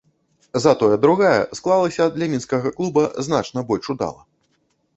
Затое другая склалася для мінскага клуба значна больш удала.